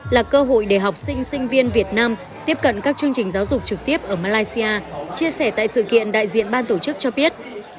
là cơ hội để học sinh sinh viên việt nam tiếp cận các chương trình giáo dục trực tiếp ở malaysia chia sẻ tại sự kiện đại diện ban tổ chức cho biết